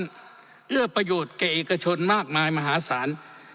เพื่อเอื้อประโยชน์แก่เอกชนมากมายมหาศาล